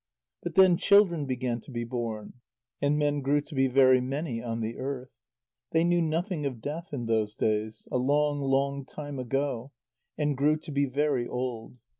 But then children began to be born, and men grew to be very many on the earth. They knew nothing of death in those days, a long, long time ago, and grew to be very old.